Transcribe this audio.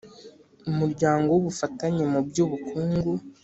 Umuryango w Ubufatanye mu by Ubukungu